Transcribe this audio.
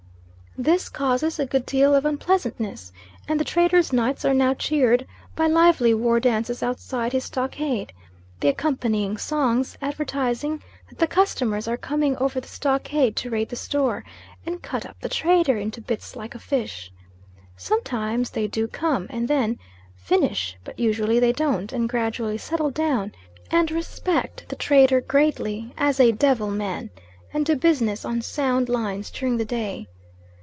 This causes a good deal of unpleasantness, and the trader's nights are now cheered by lively war dances outside his stockade; the accompanying songs advertising that the customers are coming over the stockade to raid the store, and cut up the trader "into bits like a fish." Sometimes they do come and then finish; but usually they don't; and gradually settle down, and respect the trader greatly as "a Devil man"; and do business on sound lines during the day.